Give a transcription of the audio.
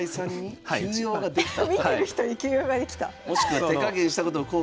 見てる人に急用ができた。